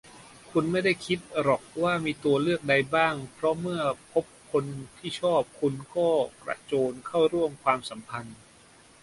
คุณไม่ได้คิดหรอกว่ามีตัวเลือกใดบ้าง เพราะเมื่อพบคนที่ชอบ คุณก็กระโจนเข้าร่วมความสัมพันธ์